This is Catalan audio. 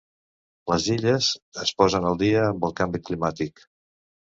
Les Illes es posen al dia amb el canvi climàtic.